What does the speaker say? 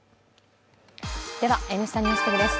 では「Ｎスタ・ＮＥＷＳＤＩＧ」です。